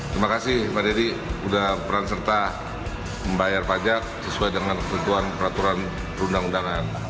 terima kasih pak dedy sudah beranserta membayar pajak sesuai dengan kebutuhan peraturan perundang undangan